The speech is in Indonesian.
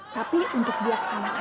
tapi untuk diaksanakan